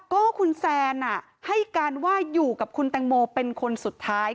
ก็คุณแซนให้การว่าอยู่กับคุณแตงโมเป็นคนสุดท้าย